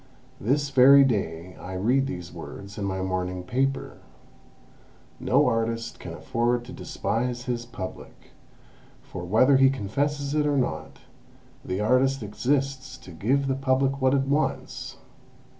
This very day I read these words in my morning paper: 'No artist can afford to despise his Public, for, whether he confesses it or not, the artist exists to give the Public what it wants.'